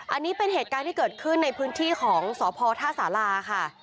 อันนี้เป็นเหตุการณ์ที่เกิดขึ้นในพื้นที่ของสพท่าสาราค่ะ